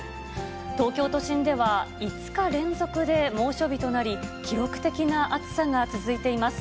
東京都心では、５日連続で猛暑日となり、記録的な暑さが続いています。